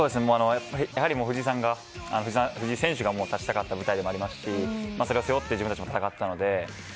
やはり藤井選手が立ちたかった舞台でもありますしそれを背負って自分たちも戦っていたので。